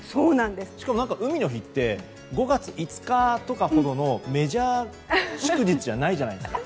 しかも海の日って５月５日とかほどのメジャー祝日じゃないじゃないですか。